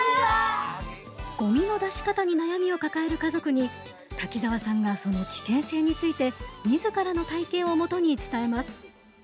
ごみの出し方に悩みを抱える家族に滝沢さんがその危険性について自らの体験を基に伝えます。